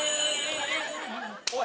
おい。